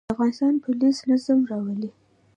د افغانستان پولیس نظم راولي